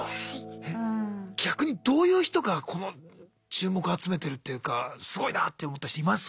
逆にどういう人が注目を集めてるっていうかすごいなって思った人います？